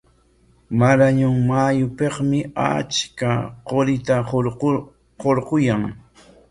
Marañon mayupikmi achka qurita hurquyan.